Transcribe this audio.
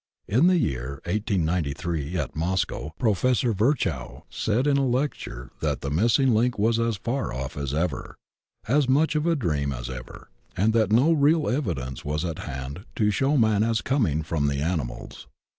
In the year 1893 at Moscow Professor Virchow said in a lecture that the missing link was as far off as ever, as much of a dream as ever, and that no real evidence was at hand to show man as coming from the animals.